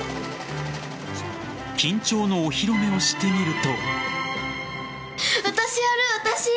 緊張のお披露目をしてみると。